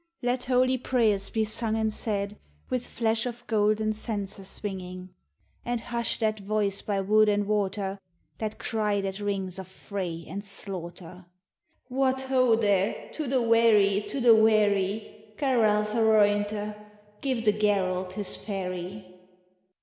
Let holy prayers be sung and said With flash of golden censers swinging, And hush that voice by wood and water, That cry that rings of fray and slaughter :" What ho, there. To the wherry ! To the wherry ! Garalth harointha ! Give the Garalth his ferry